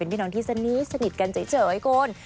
เป็นพี่น้องที่สนิทสนิทกันเฉยให้คน